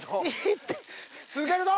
続けるぞ。